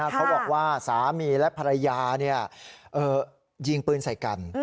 เขาบอกว่าสามีและภรรยายิงปืนใส่กัน